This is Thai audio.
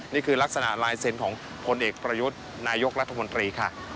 นี่คือลักษณะลายเซ็นต์ของพลเอกประยุทธ์นายกรัฐมนตรีค่ะ